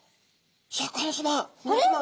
シャーク香音さま皆さま。